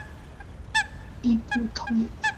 殳部通常从右方为部字。